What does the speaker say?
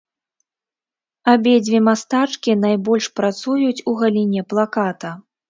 Абедзве мастачкі найбольш працуюць у галіне плаката.